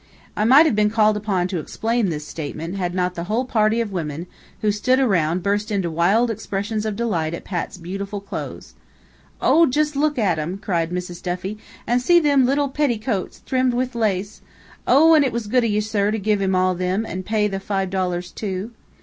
I might have been called upon to explain this statement, had not the whole party of women, who stood around burst into wild expressions of delight at Pat's beautiful clothes. "Oh! jist look at 'em!" cried Mrs. Duffy. "An' see thim leetle pittycoots, thrimmed wid lace! Oh, an' it was good in ye, sir, to give him all thim, an' pay the foive dollars, too."